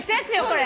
これ。